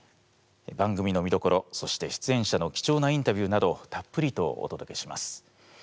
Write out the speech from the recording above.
番組の見どころそして出演者の貴重なインタビューなどたっぷりとおとどけします。